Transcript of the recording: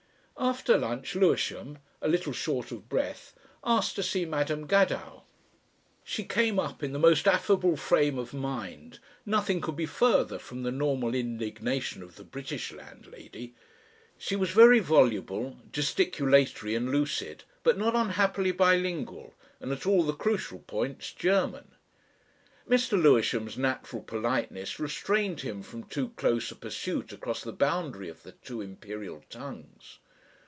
After lunch, Lewisham a little short of breath asked to see Madam Gadow. She came up in the most affable frame of mind; nothing could be further from the normal indignation of the British landlady. She was very voluble, gesticulatory and lucid, but unhappily bi lingual, and at all the crucial points German. Mr. Lewisham's natural politeness restrained him from too close a pursuit across the boundary of the two imperial tongues.